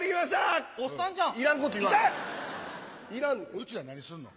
うちら何すんの？